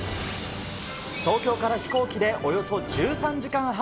東京から飛行機でおよそ１３時間半。